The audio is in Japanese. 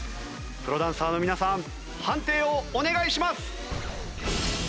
プロダンサーの皆さん判定をお願いします。